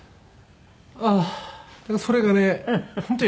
ああそれがね本当。